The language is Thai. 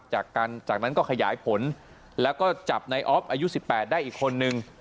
จากนั้นก็ขยายผลแล้วก็จับนายอฟอายุสิบแปดได้อีกคนนึง